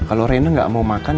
kalau reina enggak mau makan